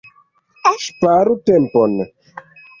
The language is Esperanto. Ŝparu tempon!